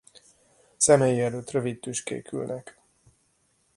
Szemei előtt rövid tüskék ülnek.